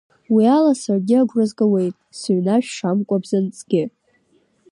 Уиала саргьы агәра згауеит, сыҩнашә шамкуа бзанҵгьы!